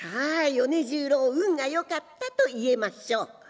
米十郎運がよかったと言えましょう。